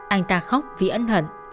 anh ta khóc vì ân hận